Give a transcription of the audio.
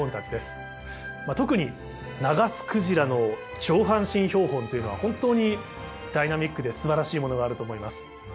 特にナガスクジラの上半身標本というのは本当にダイナミックですばらしいものがあると思います。